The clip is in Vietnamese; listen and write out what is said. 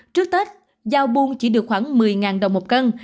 trước tết giao buôn chỉ được khoảng một mươi đồng một kg